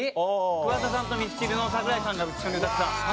桑田さんとミスチルの桜井さんが一緒に歌った。